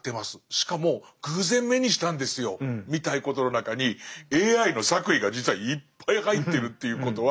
しかも偶然目にしたんですよみたいなことの中にＡＩの作為が実はいっぱい入ってるっていうことは。